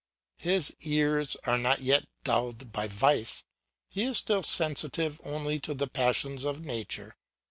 His ears are not yet dulled by vice, he is still sensitive only to the passions of nature.